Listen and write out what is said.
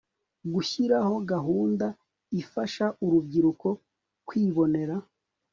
gushyiraho gahunda ifasha urubyiruko kwibonera